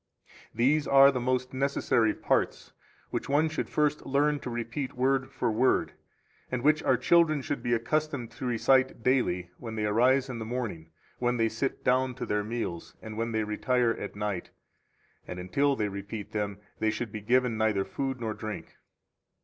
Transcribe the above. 15 These are the most necessary parts which one should first learn to repeat word for word, 16 and which our children should be accustomed to recite daily when they arise in the morning, when they sit down to their meals, and when they retire at night; and until they repeat them, they should be given neither food nor drink.